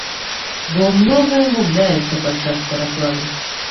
Бо многае губляецца падчас перакладу.